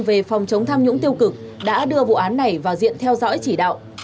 về phòng chống tham nhũng tiêu cực đã đưa vụ án này vào diện theo dõi chỉ đạo